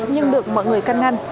nhưng được mọi người căn ngăn